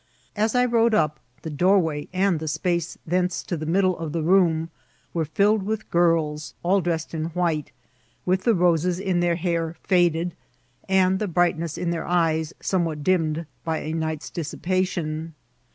As I rode up, the doorway and the space thence to the middle of the room were filled with girls, all dressed in white, with the roses in their hair faded, and the brightness of theur eyes somewhat dimmed by a night's dissipation.